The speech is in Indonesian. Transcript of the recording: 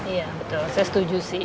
iya betul saya setuju sih